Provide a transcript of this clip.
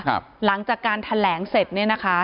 หลังจากการแถลงเสร็จเนี่ยนะคะ